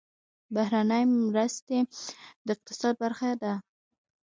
بهرنۍ مرستې د اقتصاد برخه ده